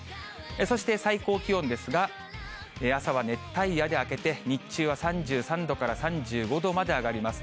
そして最高気温ですが、朝は熱帯夜で明けて、日中は３３度から３５度まで上がります。